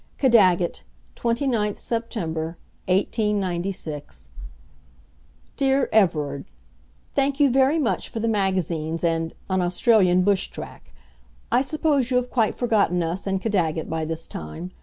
Caddagat, 29th Sept., 1896 Dear Everard, Thank you very much for the magazines and "An Australian Bush Track". I suppose you have quite forgotten us and Caddagat by this time.